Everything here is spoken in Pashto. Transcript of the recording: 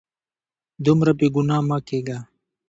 دومره بې ګناه مه کیږه